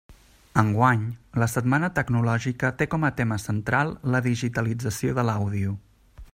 Enguany la setmana tecnològica té com a tema central la digitalització de l'àudio.